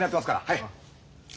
はい。